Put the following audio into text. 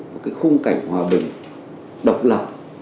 một cái khung cảnh hòa bình độc lập